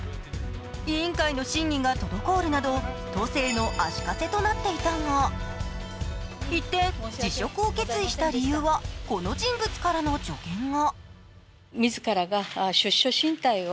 委員会の審議が滞るなど、都政の足かせとなっていたが一転、辞職を決意した理由はこの人物からの助言が。